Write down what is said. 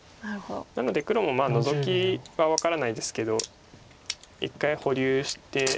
なので黒もノゾキは分からないですけど一回保留して。